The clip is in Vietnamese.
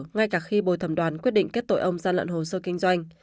ngay cả khi bồi thẩm đoàn quyết định kết tội ông gian lận hồ sơ kinh doanh